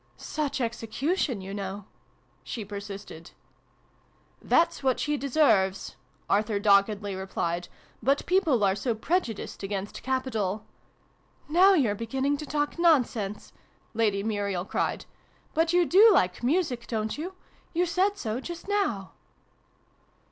" Such execution, you know !" she persisted. " That's what she deserves" Arthur doggedly replied :" but people are so prejudiced against capital " Now you're beginning to talk nonsense !" Lady Muriel cried. " But you do like Music, don't you ? You said so just now."